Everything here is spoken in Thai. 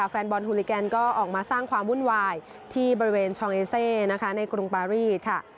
แฟนบอลฮูลิแกนก็ออกมาสร้างความวุ่นวายที่บริเวณชองเอเซนะคะในกรุงปารีสค่ะ